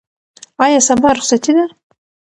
آیا سبا رخصتي ده؟